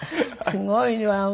すごいわ。